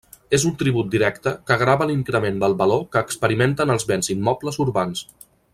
És un tribut directe que grava l'increment del valor que experimenten els béns immobles urbans.